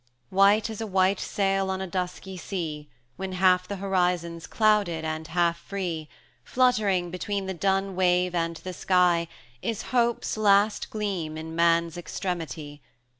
I. White as a white sail on a dusky sea, When half the horizon's clouded and half free, Fluttering between the dun wave and the sky, Is Hope's last gleam in Man's extremity.